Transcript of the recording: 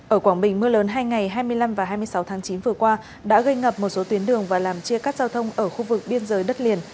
ở quảng bình mưa lớn hai ngày hai mươi năm và hai mươi sáu tháng chín vừa qua đã gây ngập một số tuyến đường và làm chia cắt giao thông ở khu vực biên giới đất liền